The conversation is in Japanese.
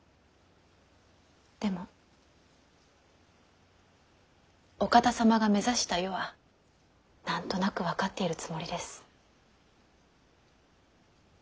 でもお方様が目指した世は何となく分かっているつもりです。